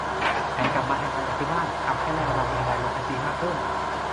การกลับมาทำงานจากที่บ้าน ทำให้แมวเรามีอะไรลงไอจีมากขึ้น